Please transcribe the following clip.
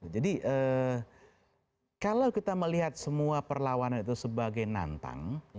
jadi kalau kita melihat semua perlawanan itu sebagai nantang